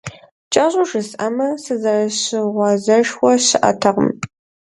КӀэщӀу жысӀэмэ, сызэрыщыгъуазэшхуэ щыӀэтэкъым.